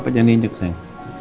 papa jangan injek sayang